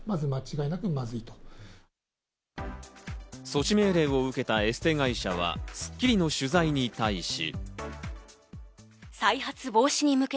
措置命令を受けたエステ会社は、『スッキリ』の取材に対し。